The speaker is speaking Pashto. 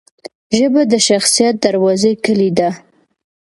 ژبه د شخصیت دروازې کلۍ ده